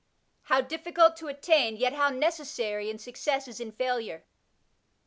How difficult to attain, yet how necessary, in success as in failure!